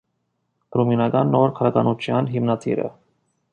Ռումինական նոր գրականության հիմնադիրը։